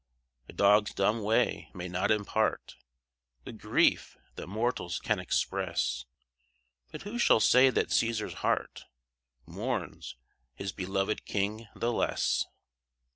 A dog's dumb way may not impart The grief that mortals can express, But who shall say that Cæsar's heart Mourns his beloved king the less?